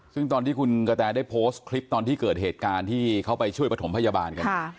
ซึ่งตอนที่คุณกะแตได้โพสต์คลิปตอนที่เกิดเหตุการณ์ที่เขาไปช่วยประถมพยาบาลกัน